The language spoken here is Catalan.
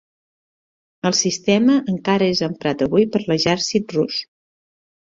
El sistema encara és emprat avui per l'Exèrcit Rus.